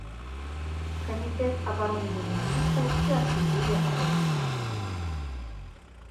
Камітэт абароны журналістаў і асудзілі арышты.